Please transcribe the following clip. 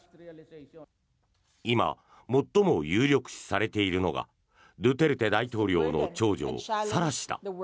今、最も有力視されているのがドゥテルテ大統領の長女サラ氏だ。